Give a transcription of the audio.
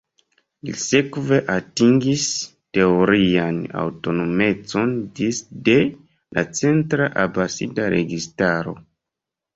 Li sekve atingis teorian aŭtonomecon disde la centra Abasida registaro.